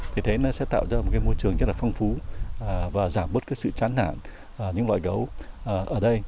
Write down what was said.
thì thế nó sẽ tạo ra một cái môi trường rất là phong phú và giảm bớt cái sự chán hạn những loại gấu ở đây